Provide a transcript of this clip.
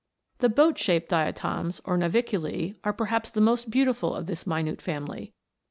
J The boat shaped diatoms, or Naviculce, are per haps the most beautiful of this minute family.